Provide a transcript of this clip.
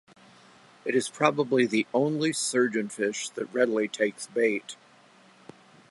It is probably the only surgeonfish that readily takes bait.